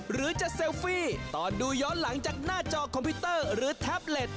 หรือจะเซลฟี่ตอนดูย้อนหลังจากหน้าจอคอมพิวเตอร์หรือแท็บเล็ต